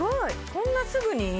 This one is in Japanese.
こんなすぐに？